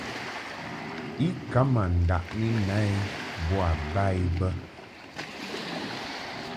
I ka ma ndaʼni na i bo ba i bə.